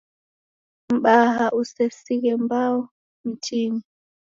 Mbaha usesighe mbao mtini.